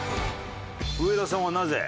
上田さんはなぜ？